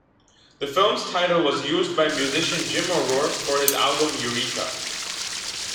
The film's title was used by musician Jim O'Rourke for his album "Eureka".